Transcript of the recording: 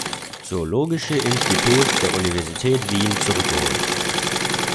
Zoologische Institut der Universität Wien zurückgeholt.